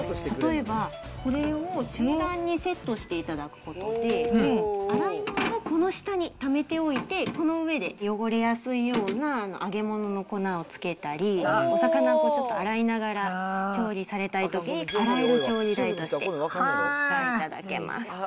例えば、これを中段にセットしていただくことで、洗い物をこの下にためておいて、この上で汚れやすいような揚げ物の粉をつけたり、お魚を、こうちょっと洗いながら、調理されたいときに洗える調理台としてお使いいただけます。